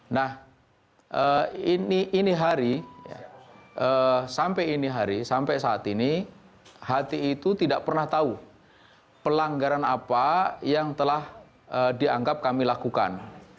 nah ini hari sampai saat ini hti itu tidak pernah tahu pelanggaran apa yang telah dianggap kami lakukan